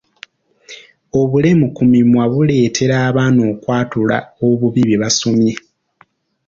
Obulemu ku mimwa buleetera abaana okwatula obubi bye basoma.